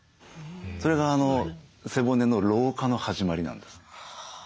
それが背骨の老化の始まりなんです。